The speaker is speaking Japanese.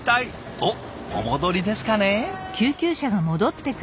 おっお戻りですかね？